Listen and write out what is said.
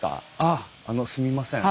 あああのすみません。